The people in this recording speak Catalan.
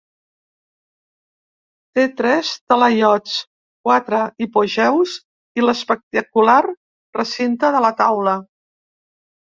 Té tres talaiots, quatre hipogeus i l’espectacular recinte de la taula.